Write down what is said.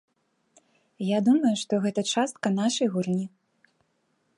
Я думаю, што гэта частка нашай гульні.